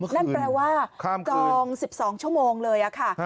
นั่นแปลว่าจอง๑๒ชั่วโมงเลยค่ะ